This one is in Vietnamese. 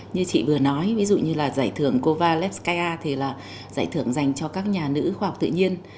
như chị vừa nói ví dụ như là giải thưởng kovalev skyar thì là giải thưởng dành cho các nhà nữ khoa học tự nhiên